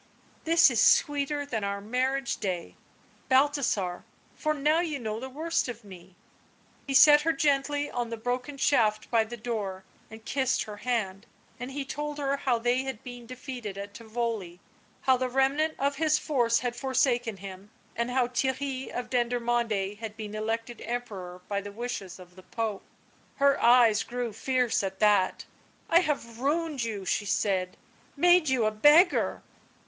" This is sweeter than our marriage day, Balthasar, for now you know the worst of me " He set her gently on the broken shaft by the door and kissed her hand. And he told her how they had been defeated at Tivoli, how the remnant of his force had forsaken him, and how Theirry of Dendermonde had been elected Emperor by the wishes of the Pope. Her eyes grew fierce at that. "I have ruined you," she said; "made you a beggar."